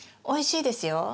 おいしいですよ。